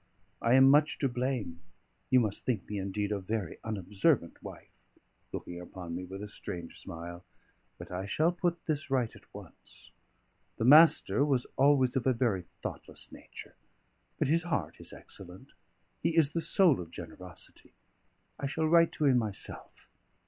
I am much to blame; you must think me indeed a very unobservant wife" (looking upon me with a strange smile), "but I shall put this right at once. The Master was always of a very thoughtless nature; but his heart is excellent; he is the soul of generosity. I shall write to him myself.